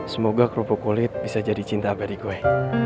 semoga kerupuk kulit bisa jadi cinta bagi gue